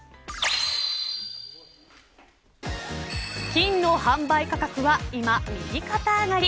金の販売価格は今、右肩上がり。